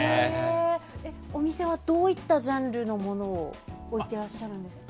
お店はどういったジャンルのものを置いていらっしゃるんですか？